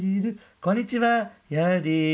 こんにちは。